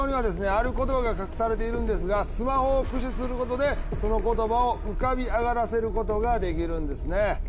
ある言葉が隠されているんですがスマホを駆使することでその言葉を浮かび上がらせることができるんですね。